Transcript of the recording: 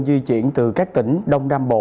di chuyển từ các tỉnh đông nam bộ